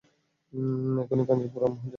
এখনি কাঞ্চিপুরম যেতে হবে।